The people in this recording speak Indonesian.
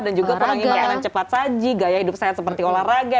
dan juga pola ini makanan cepat saji gaya hidup sehat seperti olahraga